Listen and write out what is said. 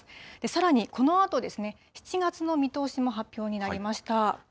さらにこのあと、７月の見通しも発表になりました。